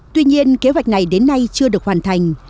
tuy nhiên kế hoạch này đến nay chưa được hoàn thành